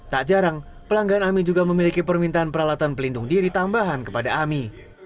tak jarang pelanggan ami juga memiliki permintaan peralatan pelindung diri tambahan kepada ami